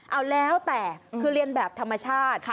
เอาแล้วแต่คือเรียนแบบธรรมชาติ